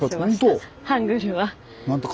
ハングルは。